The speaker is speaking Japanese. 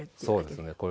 そうですね。